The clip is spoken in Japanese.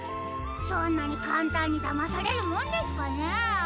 そんなにかんたんにだまされるもんですかねえ？